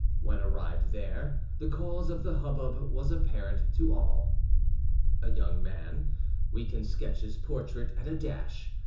When arrived there, the cause of the hubbub was apparent to all. A young man—we can sketch his portrait at a dash.